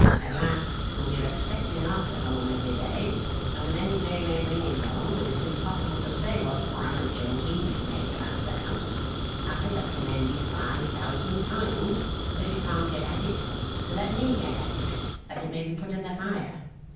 At last, when we are expecting Arthur home every day, and when any day may bring him home, and it's impossible to say what rummaging he may make about the house, I recommend you five thousand times, if you can't get at it, to let me get at it, that it may be put in the fire.